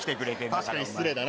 確かに失礼だな。